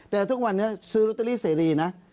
แต่ทุกวันนี้ซื้อลอตเตอรี่เสรีนะ